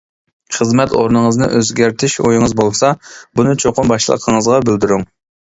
خىزمەت ئورنىڭىزنى ئۆزگەرتىش ئويىڭىز بولسا، بۇنى چوقۇم باشلىقىڭىزغا بىلدۈرۈڭ.